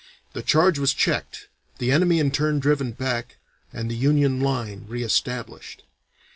The charge was checked, the enemy in turn driven back, and the Union line re established.